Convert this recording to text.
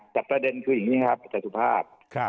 แต่ประเด็นคืออย่างงี้ครับประจาตุภาพครับ